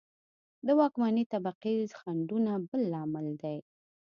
د واکمنې طبقې خنډونه بل لامل دی